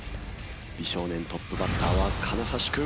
美少年トップバッターは金指君。